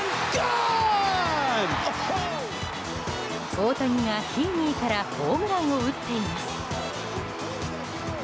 大谷がヒーニーからホームランを打っています。